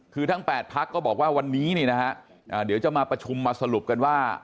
คือทั้ง๘พักก็บอกว่าวันนี้นี่นะฮะเดี๋ยวจะมาประชุมมาสรุปกันว่า